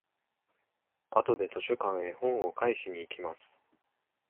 あとで図書館へ本を返しに行きます。